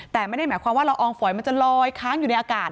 แต่ไม่ได้หมายความว่าละอองฝอยมันจะลอยค้างอยู่ในอากาศ